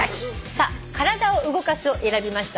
さあ「体を動かす」を選びました